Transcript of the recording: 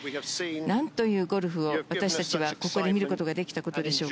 なんというゴルフを私たちはここで見ることができたことでしょう。